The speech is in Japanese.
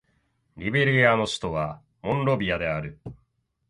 リベリアの首都はモンロビアである